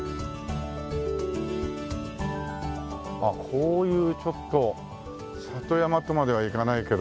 こういうちょっと里山とまではいかないけど。